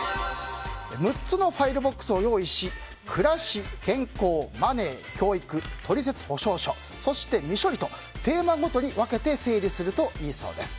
６つのファイルボックスを用意し暮らし、健康、マネー、教育取説・保証書そして未処理とテーマごとに整理するといいそうです。